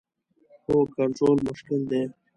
هو، کنټرول مشکل دی